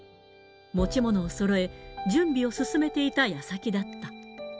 持ち物をそろえ、準備を進めていたやさきだった。